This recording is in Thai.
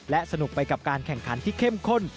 และสนุกไปกับการแข่งขันที่เข้มข้น